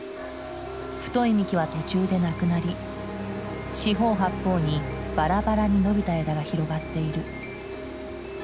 太い幹は途中でなくなり四方八方にバラバラに伸びた枝が広がっている。